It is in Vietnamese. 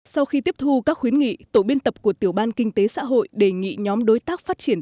sau khi tiếp thu các khuyến nghị tổ biên tập của tiểu ban kinh tế xã hội đề nghị nhóm đối tác phát triển